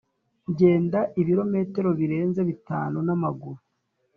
genda ibirometero birenze bitanu namaguru